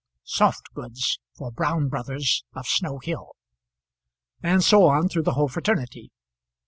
"Soft goods, for Brown Brothers, of Snow Hill," and so on through the whole fraternity.